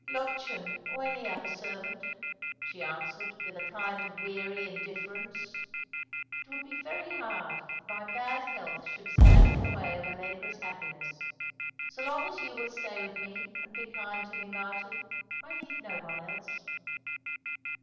"iiottchen, or any other servant," she answered, with a kind of weary indifference. " It would bo very hard if my bad health should stand in the way of Allegra's happiness. So long as you will stay with me and be kind to me, Martin, I need no one else."